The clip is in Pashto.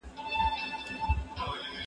زه اوس سبزیحات وخورم؟!